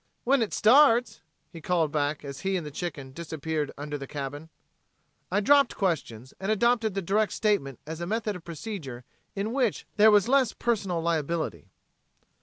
"When it starts," he called back as he and the chicken disappeared under the cabin. I dropped questions and adopted the direct statement as a method of procedure in which there was less personal liability.